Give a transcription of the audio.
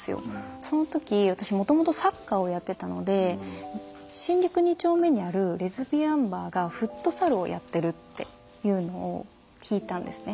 その時私もともとサッカーをやってたので新宿二丁目にあるレズビアンバーがフットサルをやってるっていうのを聞いたんですね。